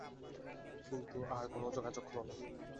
কিন্তু আর কোনো যোগাযোগ হল না।